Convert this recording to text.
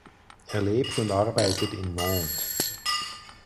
Er lebt und arbeitet in Nantes.